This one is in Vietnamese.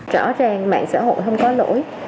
rõ ràng mạng xã hội không có lỗi